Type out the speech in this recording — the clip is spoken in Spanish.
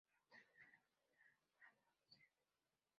Fue obtenido de la Mina Mammoth-St.